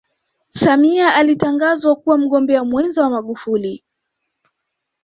samia alitangazwa kuwa mgombea mwenza wa magufuli